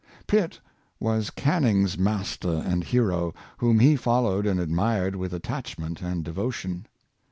Pitt was Canning's master and hero, whom he fol lowed and admired with attachment and devotion.